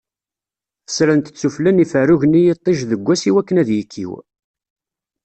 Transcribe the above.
Fessrent-t sufella n yiferrugen i yiṭij deg wass i wakken ad yekkiw.